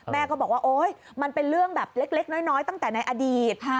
แม่ก็บอกว่าโอ๊ยมันเป็นเรื่องแบบเล็กน้อยตั้งแต่ในอดีต